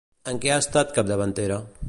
En què ha estat capdavantera?